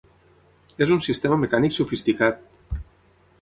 És un sistema mecànic sofisticat!